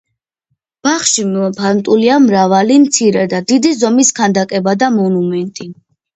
ბაღში მიმოფანტულია მრავალი მცირე და დიდი ზომის ქანდაკება და მონუმენტი.